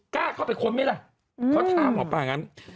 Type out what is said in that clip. กล้าเข้าไปค้นไหมล่ะเขาถามหมอปลางั้น